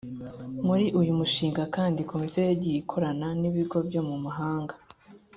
muri uyu mushinga kandi komisiyo yagiye ikorana n‘ibigo byo mu mahanga